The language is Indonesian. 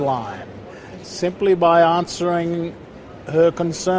hanya dengan menjawab pertanyaannya